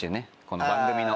この番組の。